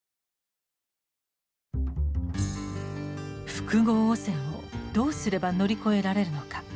「複合汚染」をどうすれば乗り越えられるのか。